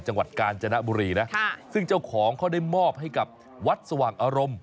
จังหวัดกาญจนบุรีนะซึ่งเจ้าของเขาได้มอบให้กับวัดสว่างอารมณ์